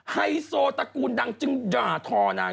ไฮโซตระกูลดังจึงด่าทอนาง